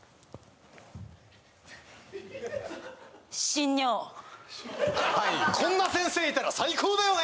しんにょうはいこんな先生いたら最高だよね！